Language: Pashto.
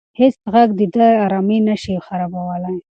هیڅ غږ د ده ارامي نه شي خرابولی.